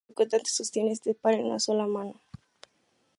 El ejecutante sostiene este par en una sola mano.